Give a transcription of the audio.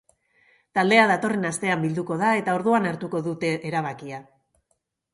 Taldea datorren astean bilduko da eta orduan hartuko dute erabakia.